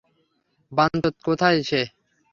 বাঞ্চোত, কোথায় সে?